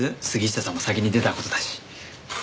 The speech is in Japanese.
杉下さんも先に出た事だし。